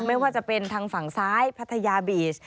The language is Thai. ไม่ว่าจะเป็นทางฝั่งซ้ายพัทยาบีช